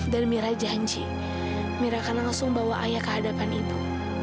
dan mira janji mira akan langsung bawa ayah ke hadapan ibu